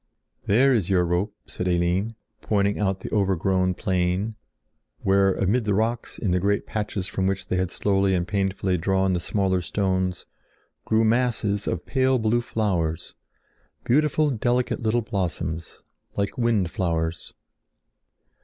"There is your rope," said Eline, pointing out the overgrown plain, where, amid the rocks in the great patches from which they had slowly and painfully drawn the smaller stones, grew masses of pale blue flowers, beautiful, delicate little blossoms, like wind flowers.